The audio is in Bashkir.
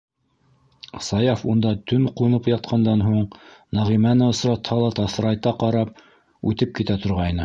Саяф унда төн ҡунып ятҡандан һуң, Нәғимәне осратһа ла таҫырайта ҡарап үтеп китә торғайны.